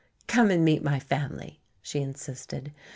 "Come and meet my family," she insisted.